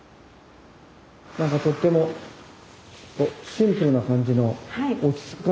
何かとってもシンプルな感じの落ち着く感じですね